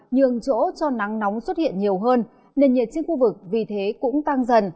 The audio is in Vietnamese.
nhường chỗ cho nắng nóng xuất hiện nhiều hơn nền nhiệt trên khu vực vì thế cũng tăng dần